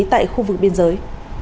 tại khu vực biên giới